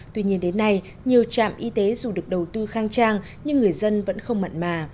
tuy nhiên đến nay nhiều trạm y tế dù được đầu tư khang trang nhưng người dân vẫn không mặn mà